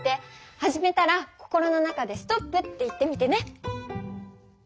始めたら心の中で「ストップ」って言ってみてね。